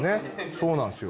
そうなんですよ